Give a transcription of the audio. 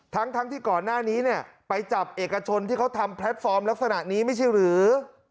ทั้งที่ก่อนหน้านี้เนี่ยไปจับเอกชนที่เขาทำแพลตฟอร์มลักษณะนี้ไม่ใช่หรือ